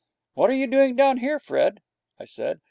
'What are you doing down here, Fred?' I said.